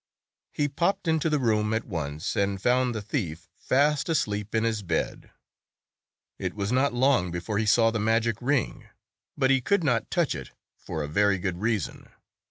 He popped into the room at once, and found the thief fast asleep in his bed. It was not long before he saw the magic ring, but he could not touch it, for a very good reason.